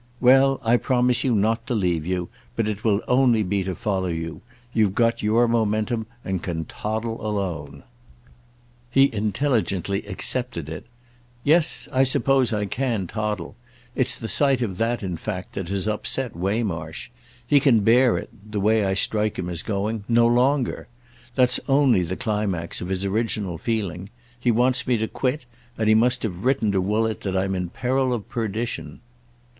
"Well, I promise you not again to leave you, but it will only be to follow you. You've got your momentum and can toddle alone." He intelligently accepted it. "Yes—I suppose I can toddle. It's the sight of that in fact that has upset Waymarsh. He can bear it—the way I strike him as going—no longer. That's only the climax of his original feeling. He wants me to quit; and he must have written to Woollett that I'm in peril of perdition."